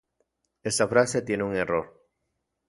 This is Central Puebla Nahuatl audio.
Tsikokej